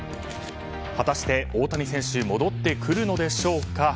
果たして大谷選手戻ってくるのでしょうか。